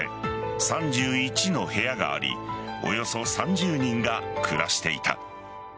３１の部屋がありおよそ３０人が暮らしていた。